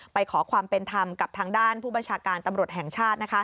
ขอความเป็นธรรมกับทางด้านผู้บัญชาการตำรวจแห่งชาติ